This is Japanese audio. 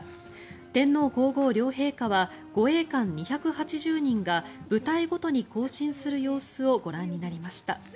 天皇・皇后両陛下は護衛官２８０人が部隊ごとに行進する様子をご覧になりました。